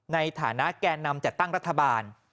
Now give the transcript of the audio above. ในฐานะแก่นำจัดตั้งรัฐบาล